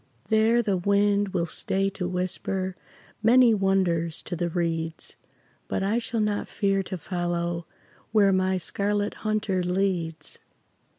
There the wind will stay to whisper Many wonders to the reeds; But I shall not fear to follow Where my Scarlet Hunter leads.